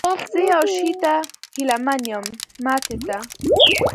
زه یو شي ته هیله من یم، ماتې ته؟